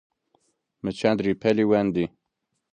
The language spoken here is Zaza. Mi çend rîpelî wendî